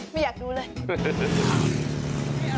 ไม่อยากดูเลย